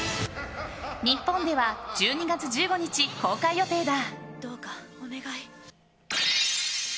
日本では１２月１５日公開予定だ。